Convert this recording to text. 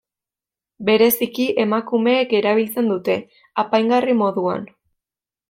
Bereziki emakumeek erabiltzen dute, apaingarri moduan.